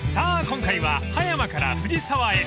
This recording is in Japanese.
今回は葉山から藤沢へ］